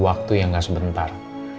waktu yang gak sebentar